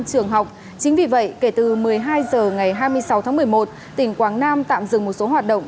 trường học chính vì vậy kể từ một mươi hai h ngày hai mươi sáu tháng một mươi một tỉnh quảng nam tạm dừng một số hoạt động